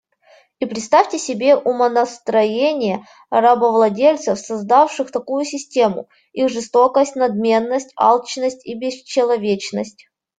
И представьте себе умонастроения рабовладельцев, создавших такую систему: их жестокость, надменность, алчность и бесчеловечность.